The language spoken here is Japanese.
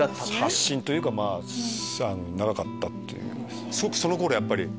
発信というか長かったという。